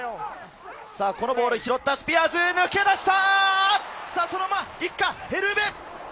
このボールを拾ったスピアーズ、抜け出した！